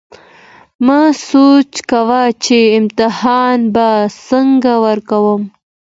ما سوچ کوو چې امتحان به څنګه ورکوم